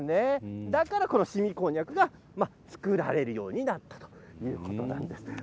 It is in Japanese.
だから、しみこんにゃくが作られるようになったというわけなんですね。